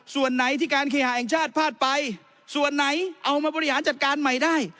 ส่วนไหนที่การเคหาแห่งชาติพลาดไปส่วนไหนเอามาบริหารจัดการใหม่ได้